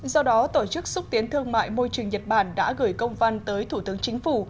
do đó tổ chức xúc tiến thương mại môi trường nhật bản đã gửi công văn tới thủ tướng chính phủ